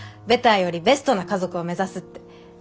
ベターよりベストな家族を目指すって。